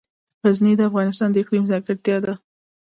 غزني د افغانستان د اقلیم ځانګړتیا ده.